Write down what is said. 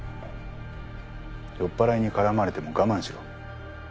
酔っぱらいに絡まれても我慢しろ。